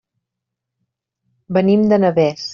Venim de Navès.